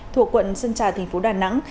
thuộc quận sân trà thành phố đà nẵng